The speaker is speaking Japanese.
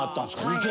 ２軒。